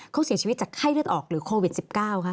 เขาเสียชีวิตจากไข้เลือดออกหรือโควิด๑๙คะ